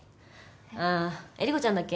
ああ衿子ちゃんだっけ？